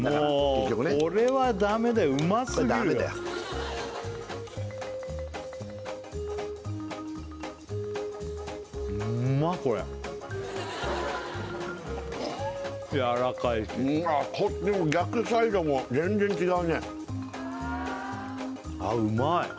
結局ねもうこれはダメだようますぎるよやわらかいし逆サイドも全然違うねあっうまい